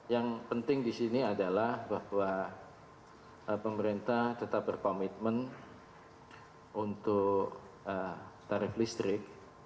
yang penting di sini adalah bahwa pemerintah tetap berkomitmen untuk tarif listrik